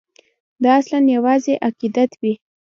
دا اصلاً یوازې عقیدت وي.